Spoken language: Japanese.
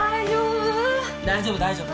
大丈夫大丈夫。